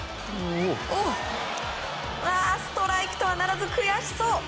ストライクとはならず悔しそう。